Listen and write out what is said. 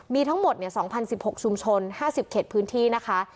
มีทั้งหมดเนี่ยสองพันสิบหกชุมชนห้าสิบเข็ดพื้นที่นะคะ